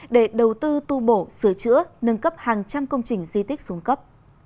để đầu tư tu bổ sửa chữa nâng cấp hàng trăm công trình di tích xuống cấp